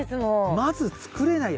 まず作れないよ。